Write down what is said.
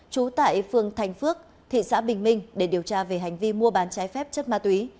trú tại phường thành phước thị xã bình minh để điều tra về hành vi mua bán trái phép chất ma túy